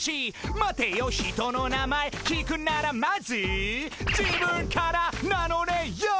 「待てよ人の名前聞くならまず自分から名乗れよ」